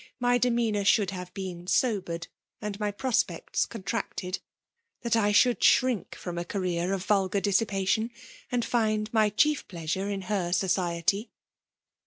my demeanour should have be^i sobered .atid my prospects contracted^ — that I should shciidc from a career of vulgar dissipation, and find my chief pleasure in her society.